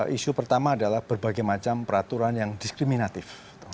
isu pertama adalah berbagai macam peraturan yang diskriminatif